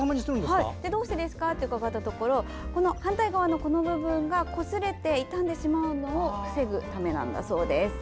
どうしてか伺ったところ反対側のこすれて傷んでしまうのを防ぐためなんだそうです。